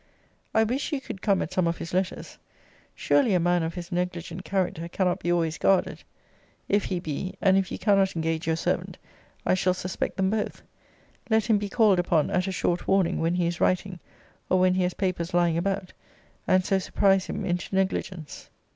I wish you could come at some of his letters. Surely a man of his negligent character cannot be always guarded. If he be, and if you cannot engage your servant, I shall suspect them both. Let him be called upon at a short warning when he is writing, or when he has papers lying about, and so surprise him into negligence.